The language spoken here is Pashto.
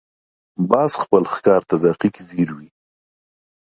باز خپل ښکار ته دقیق ځیر وي